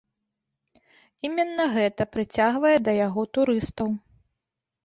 Іменна гэта прыцягвае да яго турыстаў.